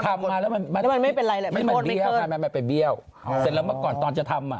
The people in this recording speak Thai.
ทำมาแล้วมันเบี้ยวเสร็จแล้วก่อนตอนจะทำ